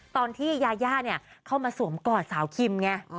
ตอนที่ยาย่าเข้ามาสวมกอดสาวคิมไง